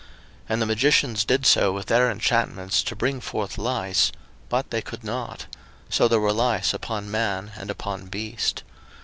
02:008:018 And the magicians did so with their enchantments to bring forth lice, but they could not: so there were lice upon man, and upon beast.